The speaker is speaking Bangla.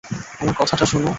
আমার কথাটা শোনো!